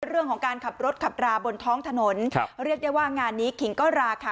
เรื่องของการขับรถขับราบนท้องถนนครับเรียกได้ว่างานนี้ขิงก็ราค่ะ